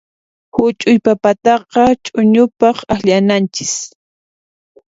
Huch'uy papataqa ch'uñupaq akllanchis.